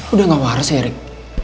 udah gak waras rik